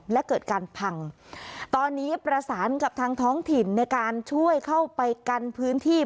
และเกิดการพังตอนนี้ประสานกับทางท้องถิ่นในการช่วยเข้าไปกันพื้นที่